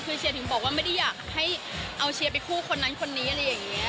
คือเชียร์ถึงบอกว่าไม่ได้อยากให้เอาเชียร์ไปคู่คนนั้นคนนี้อะไรอย่างนี้